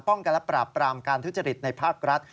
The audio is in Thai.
กันและปราบปรามการทุจริตในภาครัฐ